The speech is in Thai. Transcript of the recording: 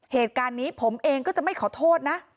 เหตุการณ์นี้ผมเองก็จะไม่ขอโทษนะ